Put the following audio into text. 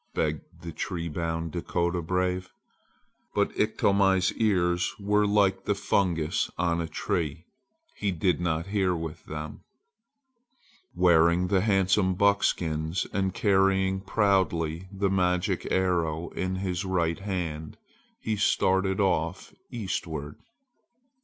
begged the tree bound Dakota brave. But Iktomi's ears were like the fungus on a tree. He did not hear with them. Wearing the handsome buckskins and carrying proudly the magic arrow in his right hand, he started off eastward.